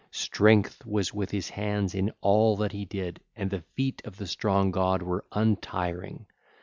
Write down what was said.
Strength was with his hands in all that he did and the feet of the strong god were untiring.